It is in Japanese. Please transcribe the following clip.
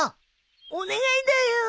お願いだよ。